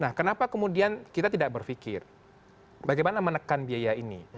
nah kenapa kemudian kita tidak berpikir bagaimana menekan biaya ini